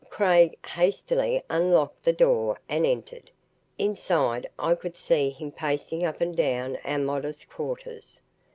Craig hastily unlocked the door and entered. Inside, I could see him pacing up and down our modest quarters.